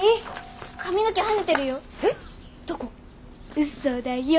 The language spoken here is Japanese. うそだよ。